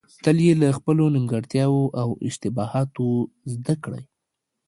تل يې له خپلو نيمګړتياوو او اشتباهاتو زده کړئ.